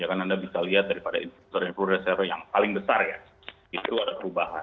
karena anda bisa lihat daripada investor influencer yang paling besar ya itu ada perubahan